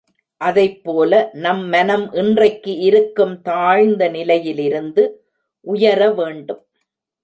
அதைப் போல நம் மனம் இன்றைக்கு இருக்கும் தாழ்ந்த நிலையிலிருந்து உயர வேண்டும்.